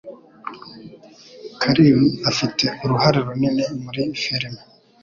Karim afite uruhare runini muri firime.